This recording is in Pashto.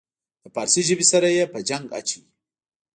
د پارسي ژبې سره یې په جنګ اچوي.